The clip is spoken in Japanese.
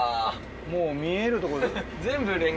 もう見えるところ。